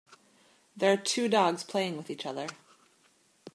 There are two dogs playing with each other.